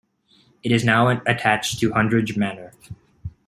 It is now attached to Hundridge manor.